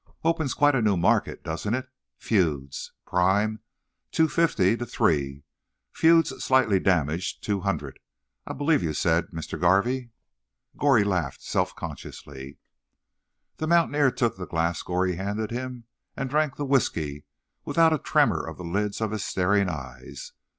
Opens quite a new market, doesn't it? Feuds. Prime, two fifty to three. Feuds, slightly damaged—two hundred, I believe you said, Mr. Garvey?" Goree laughed self consciously. The mountaineer took the glass Goree handed him, and drank the whisky without a tremor of the lids of his staring eyes.